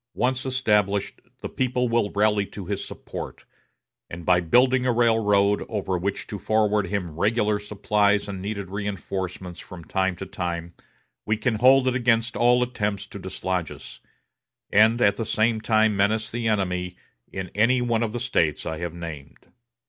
Once established, the people will rally to his support, and by building a railroad, over which to forward him regular supplies and needed reinforcements from time to time, we can hold it against all attempts to dislodge us, and at the same time menace the enemy in any one of the States I have named.